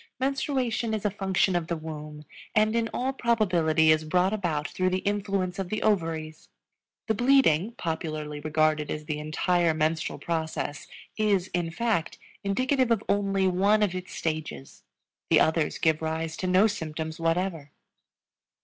Menstruation is a function of the womb and in all probability is brought about through the influence of the ovaries. The bleeding, popularly regarded as the entire menstrual process, is, in fact, indicative of only one of its stages; the others give rise to no symptoms whatever.